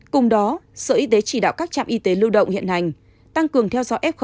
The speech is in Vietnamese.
cùng đó sở y tế chỉ đạo các trạm y tế lưu động hiện hành tăng cường theo dõi